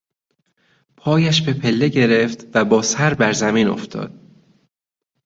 پایش به پله گرفت و با سر بر زمین افتاد.